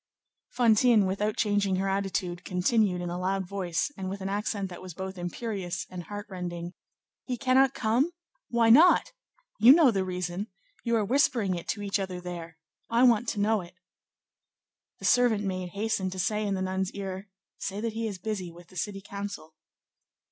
Fantine, without changing her attitude, continued in a loud voice, and with an accent that was both imperious and heart rending:— "He cannot come? Why not? You know the reason. You are whispering it to each other there. I want to know it." The servant maid hastened to say in the nun's ear, "Say that he is busy with the city council."